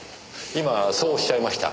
今そうおっしゃいました。